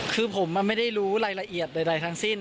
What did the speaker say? คือผมไม่ได้รู้รายละเอียดใดทั้งสิ้น